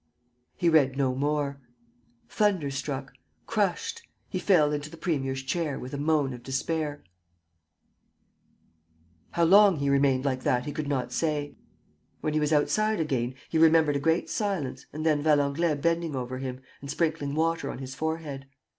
..." He read no more. Thunderstruck, crushed, he fell into the premier's chair with a moan of despair. ...How long he remained like that he could not say. When he was outside again, he remembered a great silence and then Valenglay bending over him and sprinkling water on his forehead.